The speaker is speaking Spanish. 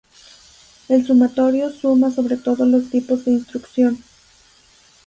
El sumatorio suma sobre todos los tipos de instrucción.